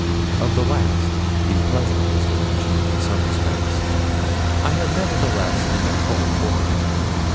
Of the last the pleasantest arrangement, in some respects I had nevertheless an occult horror.